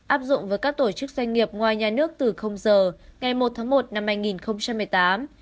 áp dụng với các tổ chức doanh nghiệp ngoài nhà nước từ giờ ngày một tháng một năm hai nghìn một mươi tám